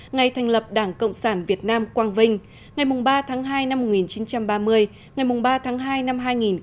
ngày thành lập đảng cộng sản việt nam quang vinh ngày ba tháng hai năm một nghìn chín trăm ba mươi ngày ba tháng hai năm hai nghìn hai mươi